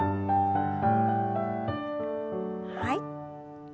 はい。